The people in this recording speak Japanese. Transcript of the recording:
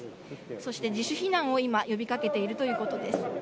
そして自主避難を今、呼びかけているということです。